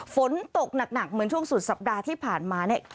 ฝนตกหนักเหมือนช่วงสุดสัปดาห์ที่ผ่านมาเนี่ย